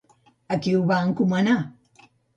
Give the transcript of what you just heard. A qui ho va encomanar?